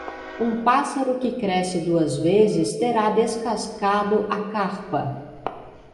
Um pássaro que cresce duas vezes terá descascado a carpa.